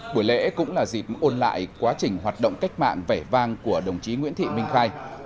buổi lễ cũng là dịp ôn lại quá trình hoạt động cách mạng vẻ vang của đồng chí nguyễn thị minh khai